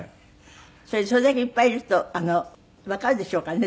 それでそれだけいっぱいいるとわかるでしょうからね